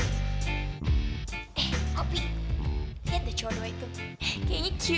kayaknya cute banget ya